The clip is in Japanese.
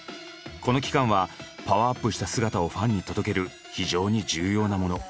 この期間はパワーアップした姿をファンに届ける非常に重要なもの。